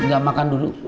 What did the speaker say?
nggak makan dulu